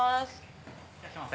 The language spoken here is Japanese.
いらっしゃいませ。